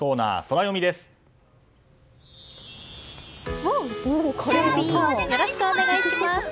よろしくお願いします！